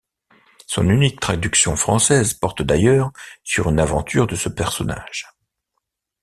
Son unique traduction française porte d’ailleurs sur une aventure de ce personnage.